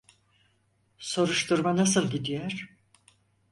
Soruşturma nasıl gidiyor?